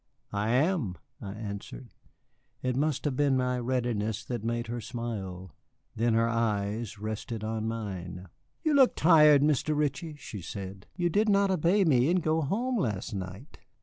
"I am," I answered. It must have been my readiness that made her smile. Then her eyes rested on mine. "You look tired, Mr. Ritchie," she said. "You did not obey me and go home last night."